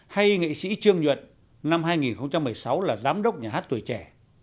hay nghệ sĩ trương nhuận năm hai nghìn một mươi sáu là giám đốc nhà hát tuổi trẻ